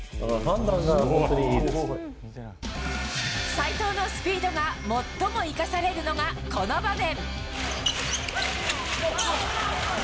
齋藤のスピードが最も生かされるのが、この場面。